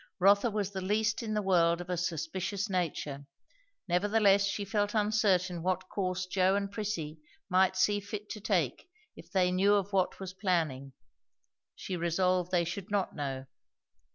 Rotha was the least in. the world of a suspicious nature; nevertheless she felt uncertain what course Joe and Prissy might see fit to take if they knew of what was planning; she resolved they should not know.